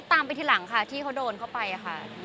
ตามไปทีหลังค่ะที่เขาโดนเข้าไปค่ะ